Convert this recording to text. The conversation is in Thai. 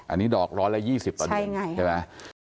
อันนี้ดอกร้อนละ๒๐ต่อเดียวใช่ไหมใช่ไงใช่ไหม